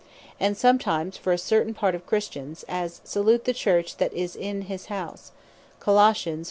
And sometimes for a certain part of Christians, as (Col. 4.15.) "Salute the Church that is in his house."